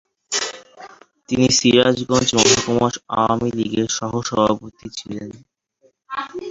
তিনি সিরাজগঞ্জ মহকুমা আওয়ামী লীগের সহসভাপতি ছিলেন।